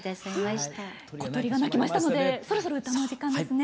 小鳥が鳴きましたのでそろそろ歌のお時間ですね。